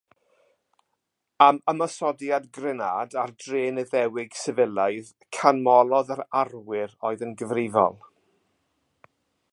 Am ymosodiad grenâd ar drên Iddewig sifilaidd, canmolodd yr “arwyr” oedd yn gyfrifol.